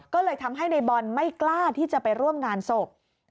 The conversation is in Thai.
ก็เลยทำให้ในบอลไม่กล้าที่จะไปร่วมงานศพ